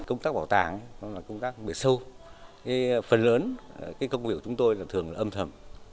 công tác bảo tàng đó là công tác bể sâu phần lớn công việc của chúng tôi thường là âm thầm